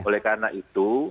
oleh karena itu